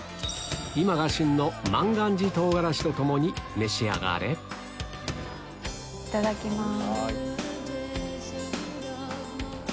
今が旬の万願寺唐辛子と共に召し上がれいただきます。